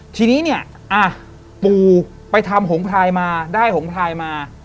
ทีนี้เนี่ยปู่ไปทำหงพลายมาได้หงพลายมา